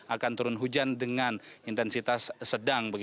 akan turun hujan dengan intensitas sedang